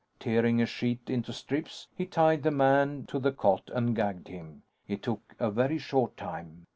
Tearing a sheet into strips, he tied the man to the cot and gagged him. It took a very short time.